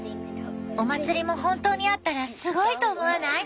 お祭りも本当にあったらすごいと思わない？